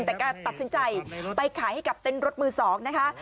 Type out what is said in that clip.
แต่ก็ตัดสินใจไปขายให้กับเต้นรถมือ๒นะคะ